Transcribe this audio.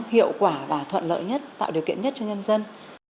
hiệu quả và thuận lợi nhất tạo điều kiện nhất cho nhân dân